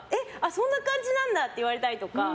そんな感じなんだって言われたりとか。